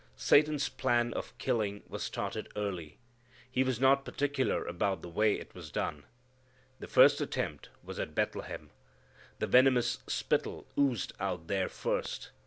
Satan's plan of killing was started early. He was not particular about the way it was done. The first attempt was at Bethlehem. The venomous spittle oozed out there first.